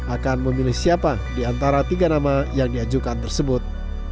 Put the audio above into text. akan memilih siapa di antara tiga nama yang diajukan tersebut